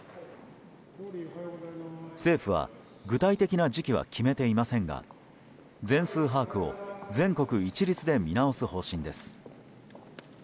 政府は、具体的な時期は決めていませんが全数把握を全国一律で見直す方針です。